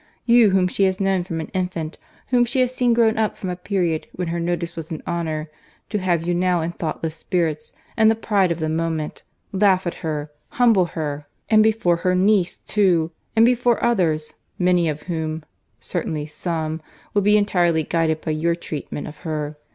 You, whom she had known from an infant, whom she had seen grow up from a period when her notice was an honour, to have you now, in thoughtless spirits, and the pride of the moment, laugh at her, humble her—and before her niece, too—and before others, many of whom (certainly some,) would be entirely guided by your treatment of her.